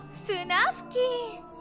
スナフキン！